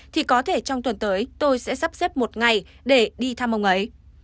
thì có thể trong tuần tới tôi sẽ sắp xếp một ngày để đi thăm ông ấy